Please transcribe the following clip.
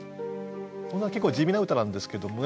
こんな結構地味な歌なんですけどもね